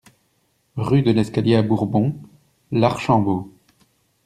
Rue de l'Escalier à Bourbon-l'Archambault